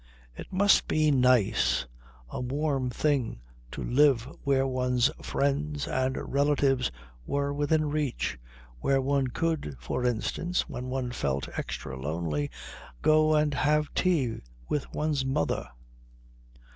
It must be nice, a warm thing to live where one's friends and relatives were within reach, where one could, for instance, when one felt extra lonely go and have tea with one's mother....